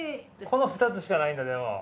この２つしかないんだでも。